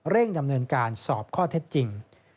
ดำเนินการสอบข้อเท็จจริง